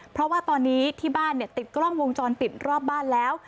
เพราะว่าตอนนี้ที่บ้านติดกล้องวงจรปิดรอบบ้านแล้ว